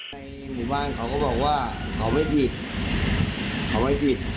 ในหมู่บ้านเขาก็บอกว่าเขาไม่ผิดเขาไม่ผิด